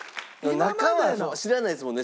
中までは知らないですもんね